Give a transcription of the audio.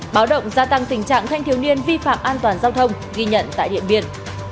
báo động gia tăng tình trạng thanh thiếu niên vi phạm an toàn giao thông ghi nhận tại điện biên